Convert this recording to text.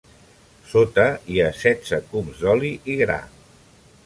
Sota hi ha setze cups d'oli i gra.